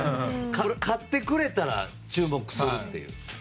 勝ってくれたら注目するっていう。